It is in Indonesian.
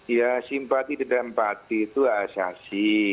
ya simpati dan empati itu asasi